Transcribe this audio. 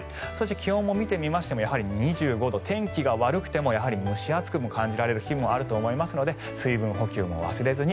気温を見てみてもやはり２５度天気が悪くても蒸し暑く感じられる日もあると思いますので水分補給も忘れずに。